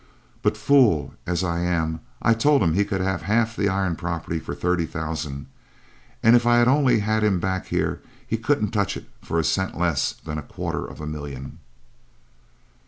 But fool as I am I told him he could have half the iron property for thirty thousand and if I only had him back here he couldn't touch it for a cent less than a quarter of a million!"